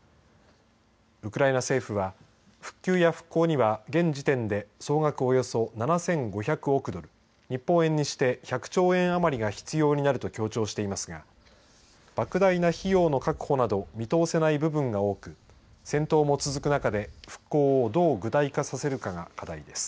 ウクライナ政府は復旧や復興には現時点で総額およそ７５００憶ドル日本円にして１００兆円余りが必要になると強調していますがばく大な費用の確保など見通せない部分が多く戦闘も続く中で復興をどう具体化させるかが課題です。